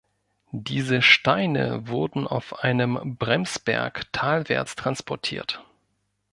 Diese Steine wurden auf einem „Bremsberg“ talwärts transportiert.